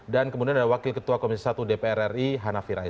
dan kemudian ada wakil ketua komisi satu dpr ri hanafi rais